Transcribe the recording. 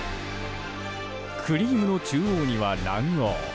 クリームの中央には卵黄。